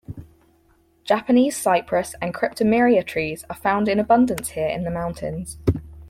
Japanese cypress and cryptomeria trees are found in abundance here in the mountains.